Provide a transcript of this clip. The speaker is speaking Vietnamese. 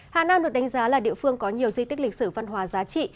hà nam được đánh giá là địa phương có nhiều di tích lịch sử văn hóa giá trị